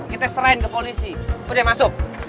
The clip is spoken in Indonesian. kita serain ke polisi udah masuk